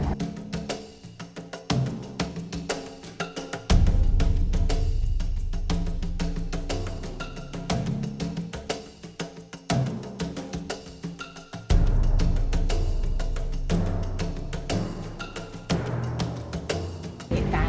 พี่พอแล้วพี่พอแล้ว